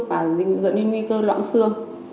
và dẫn đến nguy cơ loãng sương